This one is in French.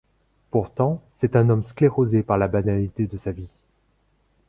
Pourtant, c'est un homme sclérosé par la banalité de sa vie.